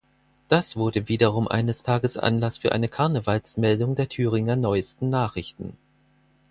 Das wurde wiederum eines Tages Anlass für eine Karnevalsmeldung der Thüringer Neuesten Nachrichten.